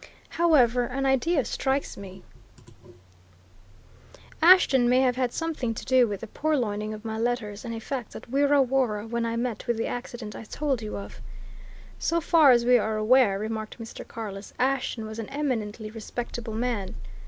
However, an idea strikes me Ashton may have had something to do with the purloining of my letters and effects at Wirra Worra, when I met with the accident I told you of." "So far as we are aware," remarked Mr. Carless, "Ashton was an eminently respectable man!"